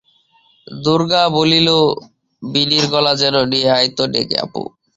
দুর্গা বলিলবিনির গলা যেন-নিয়ে আয় তো ডেকে অপু।